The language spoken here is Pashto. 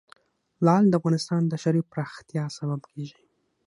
لعل د افغانستان د ښاري پراختیا سبب کېږي.